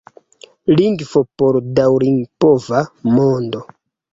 Lingvo por daŭripova mondo.